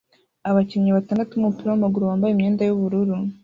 Abakinnyi batandatu bumupira wamaguru bambaye imyenda yubururu